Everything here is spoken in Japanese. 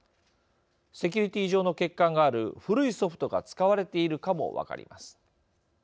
セキュリティー上の欠陥がある古いソフトが使われているかも分かります。